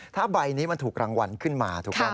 ถ้าใบนี้มันถูกรางวัลขึ้นมาถูกต้อง